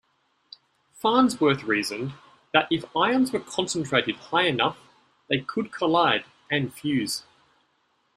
Farnsworth reasoned that if ions were concentrated high enough they could collide and fuse.